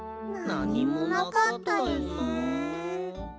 なにもなかったですね。